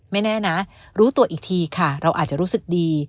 แน่นะรู้ตัวอีกทีค่ะเราอาจจะรู้สึกดี